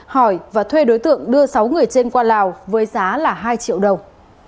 hỏi và thuê đối tượng đưa sáu người trên qua lào với giá là hai triệu đồng